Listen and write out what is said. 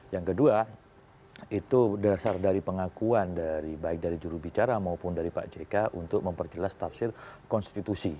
yang kedua itu dasar dari pengakuan dari baik dari jurubicara maupun dari pak jk untuk memperjelas tafsir konstitusi